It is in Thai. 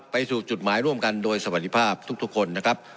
ไปสู่จุดหมายร่วมกันโดยสวัสดีภาพทุกคนนะครับ